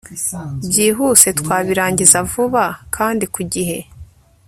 Byihuse twabirangiza vuba kandi ku gihe